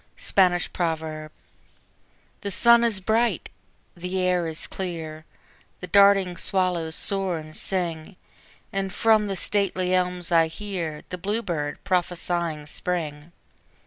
Spanish Proverb The sun is bright, the air is clear, The darting swallows soar and sing. And from the stately elms I hear The bluebird prophesying Spring.